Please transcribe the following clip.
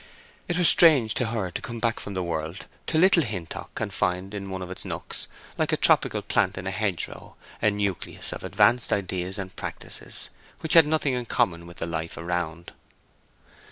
It was strange to her to come back from the world to Little Hintock and find in one of its nooks, like a tropical plant in a hedgerow, a nucleus of advanced ideas and practices which had nothing in common with the life around.